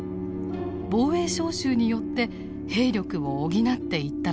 防衛召集によって兵力を補っていったのです。